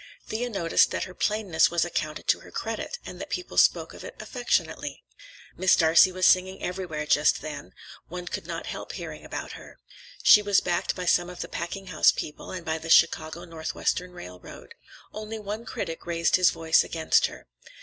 Thea noticed that her plainness was accounted to her credit, and that people spoke of it affectionately. Miss Darcey was singing everywhere just then; one could not help hearing about her. She was backed by some of the packing house people and by the Chicago Northwestern Railroad. Only one critic raised his voice against her.